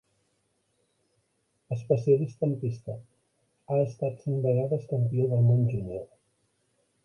Especialista en pista, ha estat cinc vegades campió del món júnior.